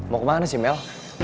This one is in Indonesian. mau kemana sih mel